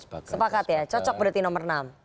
sepakat ya cocok berarti nomor enam